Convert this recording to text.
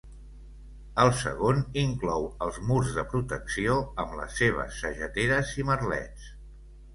El segon inclou els murs de protecció, amb les seves sageteres i merlets.